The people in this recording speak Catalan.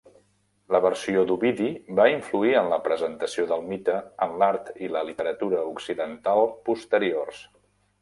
La versió d'Ovidi va influir en la presentació del mite en l'art i la literatura occidentals posteriors.